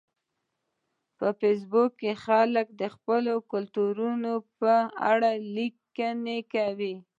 په فېسبوک کې خلک د خپلو کلتورونو په اړه لیکنې کوي